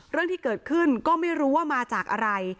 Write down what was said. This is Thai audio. เรื่องที่เกิดขึ้นก็ไม่รู้ว่ามาจากอะไร